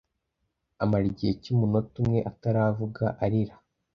amara igihe cy’umunota umwe ataravuga arira